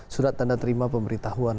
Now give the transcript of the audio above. surat tanda terima pemberitahuan